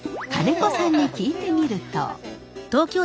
金子さんに聞いてみると。